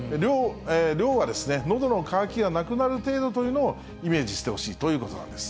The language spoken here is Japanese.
量はのどの渇きがなくなる程度というのをイメージしてほしいということなんです。